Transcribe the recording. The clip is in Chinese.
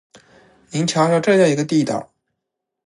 您瞧瞧，这叫一个地道！